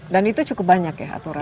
dan itu cukup banyak ya aturan